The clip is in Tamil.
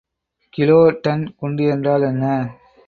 கிலோடன் குண்டு என்றால் என்ன?